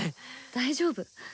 大丈夫？